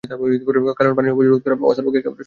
কারণ পানির অপচয় রোধ করা শুধু ওয়াসার একার পক্ষে সম্ভব নয়।